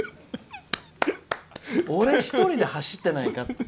俺一人で走ってないか？